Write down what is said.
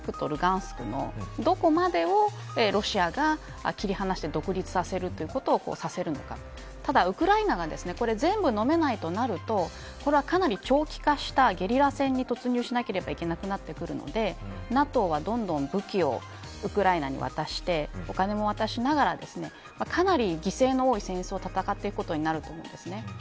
その後、ドネツクとルガンスクのどこまでをロシアが切り離して独立させるということをさせるのかただ、ウクライナがこれ全部、のめないとなるとこれはかなり長期化したゲリラ戦に突入しなければいけなくなってくるのでＮＡＴＯはどんどん武器をウクライナに渡してお金も渡しながらかなり犠牲の多い戦争を戦っていくことになると思います。